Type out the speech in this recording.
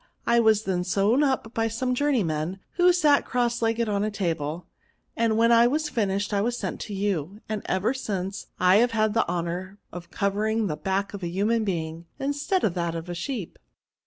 I was then sewed up by some journeymen, who sat cross legged on a table; and when I was finished, I was sent to you ; and, ever since, I have had the honour of covering the back of a human being, instead of that of a sheep."